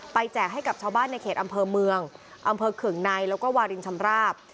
แจกให้กับชาวบ้านในเขตอำเภอเมืองอำเภอเขื่องในแล้วก็วารินชำราบ